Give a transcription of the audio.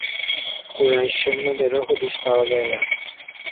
কুরাইশ সৈন্যদেরও হদিস পাওয়া যায় না।